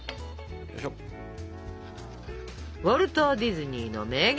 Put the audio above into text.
ウォルト・ディズニーの名言！